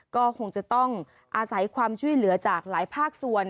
ก็คงจะต้องอาศัยความช่วยเหลือจากหลายภาคส่วน